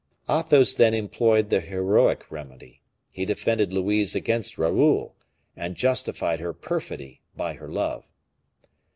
Athos then employed the heroic remedy. He defended Louise against Raoul, and justified her perfidy by her love.